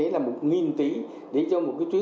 với đề xuất này